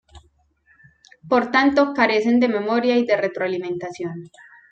Por tanto, carecen de memoria y de retroalimentación.